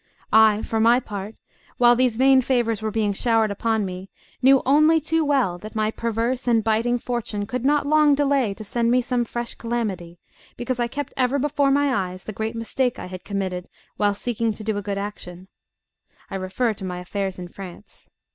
I for my part, while these vain favours were being showered upon me knew only too well that my perverse and biting fortune could not long delay to send me some fresh calamity, because I kept ever before my eyes the great mistake I had committed while seeking to do a good action. I refer to my affairs in France.